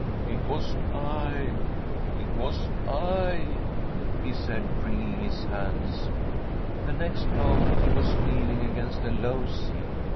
* It was I ! it was I !' he said, wringing his hands. The next moment he was kneeling against a low seat.